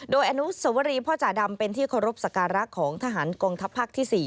โดยอนุสวรีพ่อจ่าดำเป็นที่เคารพสักการะของทหารกองทัพภาคที่๔